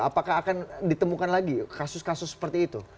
apakah akan ditemukan lagi kasus kasus seperti itu